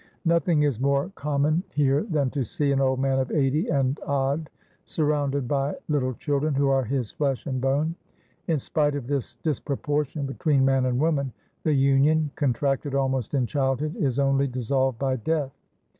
Nothing is more common here than to see an old man of eighty and odd surrounded by little children who are his flesh and bone. In spite of this disproportion between man and woman, the union, contracted almost in childhood, is only dissolved by death.